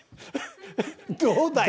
どうだい？